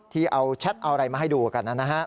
ที่เอาแชทเอาอะไรมาให้ดูกันนั้นนะฮะ